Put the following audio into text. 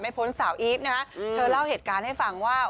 พ้นสาวอีฟนะฮะเธอเล่าเหตุการณ์ให้ฟังว่า